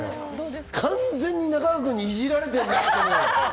完全に中川君にいじられてんな。